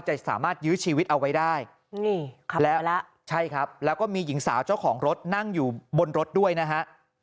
จะสามารถยื้อชีวิตเอาไว้ได้นี่ครับแล้วแล้วใช่ครับแล้วก็มีหญิงสาวเจ้าของรถนั่งอยู่บนรถด้วยนะฮะ